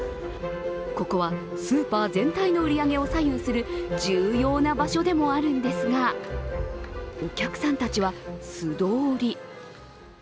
ここはスーパー全体の売り上げを左右する重要な場所でもあるんですがお客さんたちは素通り。